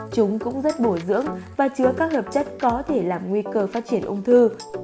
chúng cũng rất bổi dưỡng và chứa các hợp chất có thể làm nguy cơ phát triển ung thư